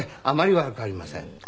あまり悪くありません。